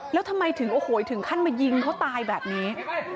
แล้วทำไมถึงโอ้โหถึงขั้นมายิงเขาตายแบบนี้